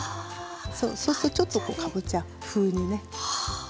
そうするとちょっとかぼちゃ風にねなります。